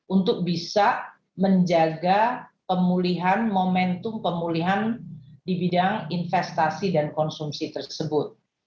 untuk bisa menjaga pemulihan momentum pemulihan di bidang investasi dan konsumsi tersebut